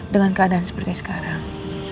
dengan keadaan seperti sekarang